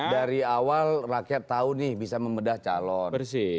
dari awal rakyat tahu nih bisa membedah calon